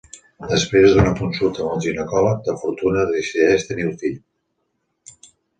Després d'una consulta amb un ginecòleg de fortuna, decideix tenir el fill.